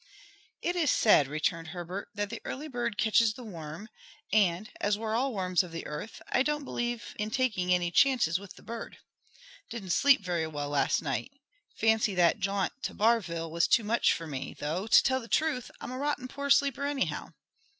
"It is said," returned Herbert, "that the early bird catches the worm; and, as we're all worms of the earth, I don't believe in taking any chances with the bird. Didn't sleep very well last night. Fancy that jaunt to Barville was too much for me; though, to tell the truth, I'm a rotten poor sleeper anyhow.